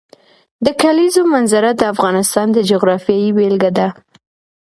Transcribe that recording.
د کلیزو منظره د افغانستان د جغرافیې بېلګه ده.